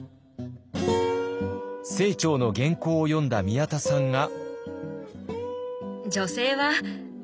清張の原稿を読んだ宮田さんが。